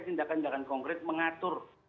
tindakan tindakan konkret mengatur